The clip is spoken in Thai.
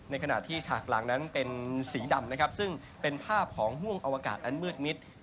ขณะที่ฉากหลังนั้นเป็นสีดำนะครับซึ่งเป็นภาพของม่วงอวกาศอันมืดมิด